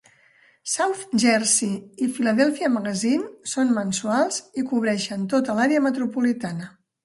"South Jersey" i "Filadèlfia Magazine" són mensuals i cobreixen tota l'àrea metropolitana.